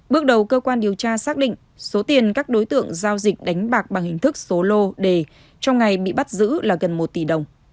bước đầu cơ quan điều tra xác định số tiền các đối tượng giao dịch đánh bạc bằng hình thức số lô đề trong ngày bị bắt giữ là gần một tỷ đồng